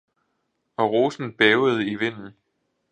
og rosen bævede i vinden.